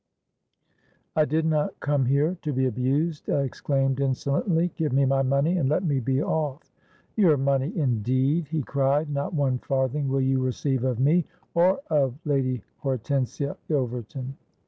'—'I did not come here to be abused,' I exclaimed insolently: 'give me my money, and let me be off.'—'Your money, indeed!' he cried: 'not one farthing will you receive of me, or of Lady Hortensia Ilverton.